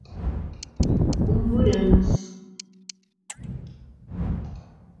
Umburanas